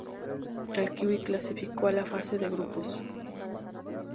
El Kiwi clasificó a la fase de grupos.